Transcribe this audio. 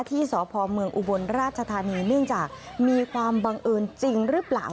ที่สพเมืองอุบลราชธานีเนื่องจากมีความบังเอิญจริงหรือเปล่า